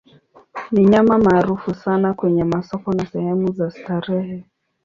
Ni nyama maarufu sana kwenye masoko na sehemu za starehe.